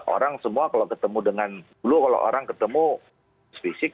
orang semua kalau ketemu dengan dulu kalau orang ketemu fisik